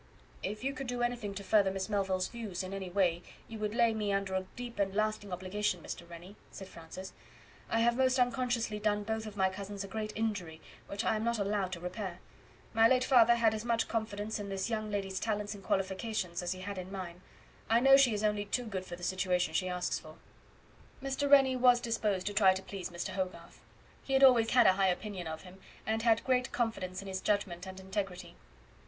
"If you could do anything to further Miss Melville's views in any way you would lay me under a deep and lasting obligation, Mr. Rennie," said Francis. "I have most unconsciously done both of my cousins a great injury, which I am not allowed to repair. My late father had as much confidence in this young lady's talents and qualifications as he had in mine. I know she is only too good for the situation she asks for." Mr. Rennie was disposed to try to please Mr. Hogarth. He had always had a high opinion of him, and had great confidence in his judgment and integrity.